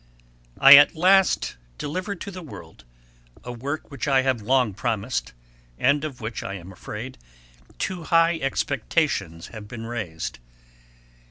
I at last deliver to the world a Work which I have long promised, and of which, I am afraid, too high expectations have been raised.